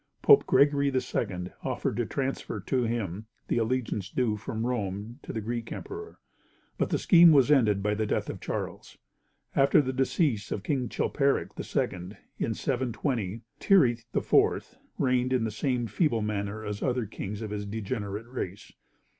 Pope Gregory II. offered to transfer to him the allegiance due from Rome to the Greek emperor, but the scheme was ended by the death of Charles. After the decease of King Chilperic II., in 720, Thierry IV. reigned in the same feeble manner as the other kings of his degenerate race.